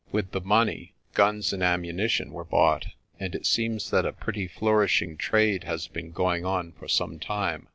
With the money guns and ammunition were bought, and it seems that a pretty flourishing trade has been going on for some time.